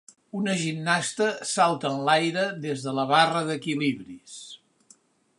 Una gimnasta salta en l'aire des de la barra d'equilibris.